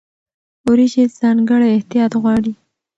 وریجې ځانګړی احتیاط غواړي.